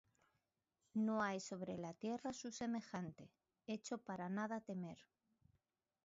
No hay sobre la tierra su semejante, Hecho para nada temer.